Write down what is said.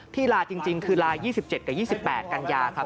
ลาจริงคือลา๒๗กับ๒๘กันยาครับ